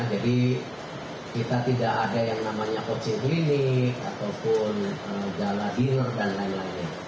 jadi kita tidak ada yang namanya coaching clinic ataupun gala dealer dan lain lainnya